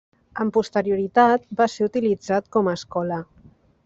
Amb posterioritat, va ser utilitzat com a escola.